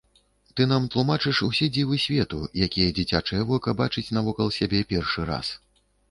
Ты нам тлумачыш усе дзівы свету, якія дзіцячае вока бачыць навокал сябе першы раз.